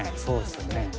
そうですよね。